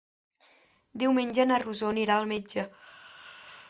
Diumenge na Rosó anirà al metge.